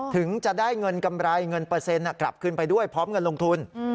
ถึงจะได้เงินกำไรเงินเปอร์เซ็นต์กลับขึ้นไปด้วยพร้อมเงินลงทุน